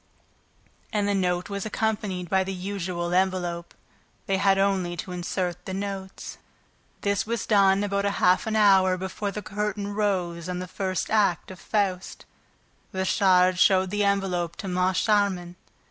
And the note was accompanied by the usual envelope. They had only to insert the notes. This was done about half an hour before the curtain rose on the first act of Faust. Richard showed the envelope to Moncharmin.